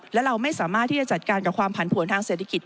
และเราไม่สามารถที่จะจัดการกับความผันผวนทางเศรษฐกิจ